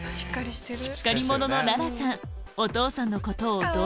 しっかり者の来蘭さん